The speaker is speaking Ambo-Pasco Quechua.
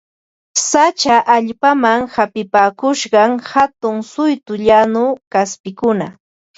Sacha allpaman hapipakusqan hatun suytu llañu kaspikuna